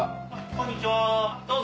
こんにちはどうぞ。